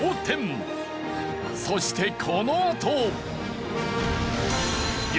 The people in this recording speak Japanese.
そしてこのあと。